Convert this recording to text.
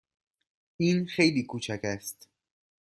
این خیلی کوچک است.